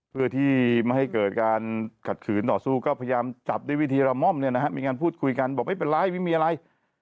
เพื่อที่ไม่ให้เกิดการขัดขืนต่อสู้ก็พยายามจับด้วยวิธีระม่อมเนี่ยนะฮะมีการพูดคุยกันบอกไม่เป็นไรไม่มีอะไร